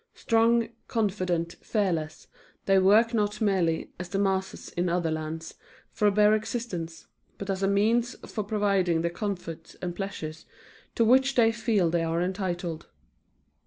Strong, confident, fearless, they work not merely, as the masses in other lands, for a bare existence, but as a means for providing the comforts and pleasures to which they feel they are entitled.